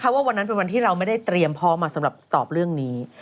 ว่าวันนั้นเป็นวันที่เราไม่ได้เตรียมพร้อมมาสำหรับตอบเรื่องนี้